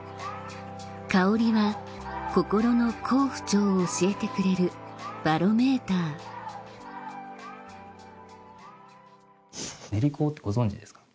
香りは心の好不調を教えてくれるバロメーター煉香ってご存じですか？